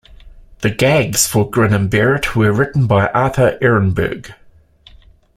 The "gags" for Grin and Bear It were written by Arthur Erenberg.